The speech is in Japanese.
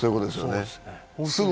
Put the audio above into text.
そうですね。